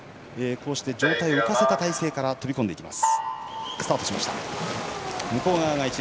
上体を浮かせた状態から飛び込んでいきます。